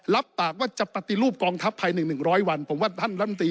รับตากว่าจะปฏิรูปกองทัพภายหนึ่งหนึ่งร้อยวันผมว่าท่านรัฐมนตรี